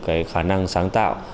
cái khả năng sáng tạo